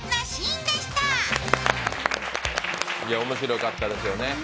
面白かったですよね。